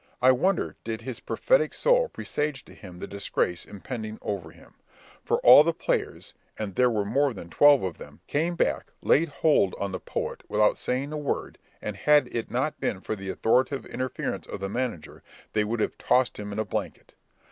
I wonder did his prophetic soul presage to him the disgrace impending over him; for all the players—and there were more than twelve of them—came back, laid hold on the poet, without saying a word, and, had it not been for the authoritative interference of the manager, they would have tossed him in a blanket.